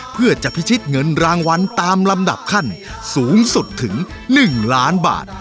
เพื่อจะพิชิตเงินรางวัลตามลำดับขั้นสูงสุดถึง๑ล้านบาท